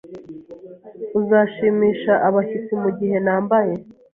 Uzashimisha abashyitsi mugihe nambaye